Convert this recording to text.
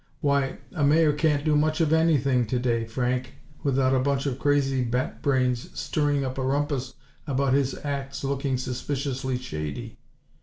Why, a Mayor can't do much of anything, today, Frank, without a bunch of crazy bat brains stirring up a rumpus about his acts looking 'suspiciously shady.'